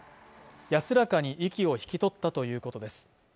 安らかに息を引き取ったということです